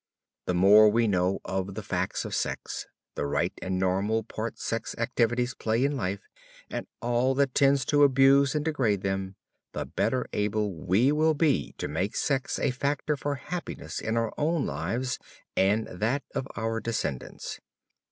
The more we know of the facts of sex, the right and normal part sex activities play in life, and all that tends to abuse and degrade them, the better able we will be to make sex a factor for happiness in our own lives and that of our descendants.